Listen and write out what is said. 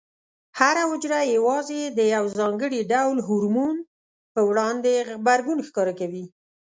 هره حجره یوازې د یو ځانګړي ډول هورمون په وړاندې غبرګون ښکاره کوي.